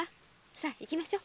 さあ行きましょ。